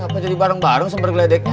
kenapa jadi bareng bareng sambar geledeknya